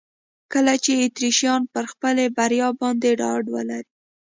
کله چې اتریشیان پر خپلې بریا باندې ډاډ ولري.